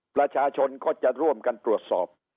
ประชาชนก็จะร่วมกันตรวจสอบ